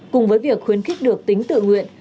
cùng với việc khuyến khích được tính tự nguyện